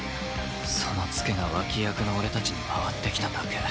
そのツケが脇役の俺たちに回ってきただけ。